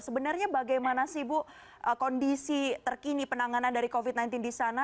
sebenarnya bagaimana sih bu kondisi terkini penanganan dari covid sembilan belas di sana